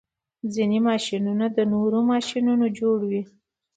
ځینې ماشینونه نور ماشینونه جوړوي.